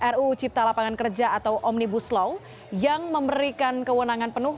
ru cipta lapangan kerja atau omnibus law yang memberikan kewenangan penuh